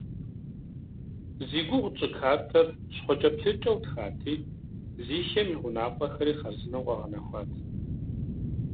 Зи гугъу тщӏы картэр щхъуэкӏэплъыкӏэу тхати, Зихием и гъунапкъэхэри хъарзынэу къэгъэнэхуат.